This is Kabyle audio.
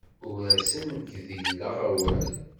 Ur asen-gdileɣ awal.